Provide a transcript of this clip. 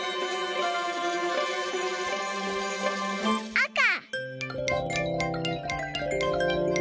あか！